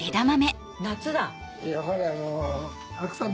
夏だ。